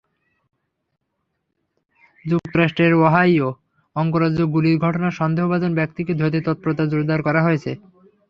যুক্তরাষ্ট্রের ওহাইও অঙ্গরাজ্যে গুলির ঘটনায় সন্দেহভাজন ব্যক্তিকে ধরতে তৎপরতা জোরদার করা হয়েছে।